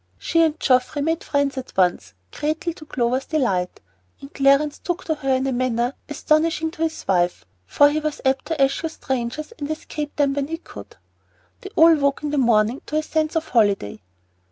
She and Geoffrey made friends at once, greatly to Clover's delight, and Clarence took to her in a manner astonishing to his wife, for he was apt to eschew strangers, and escape them when he could. They all woke in the morning to a sense of holiday.